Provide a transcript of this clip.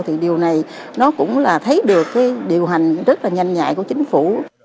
thì điều này nó cũng là thấy được cái điều hành rất là nhanh nhạy của chính phủ